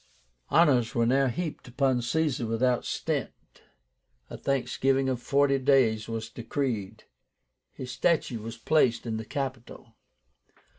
Honors were now heaped upon Caesar without stint. A thanksgiving of forty days was decreed. His statue was placed in the Capitol.